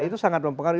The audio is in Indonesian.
itu sangat mempengaruhi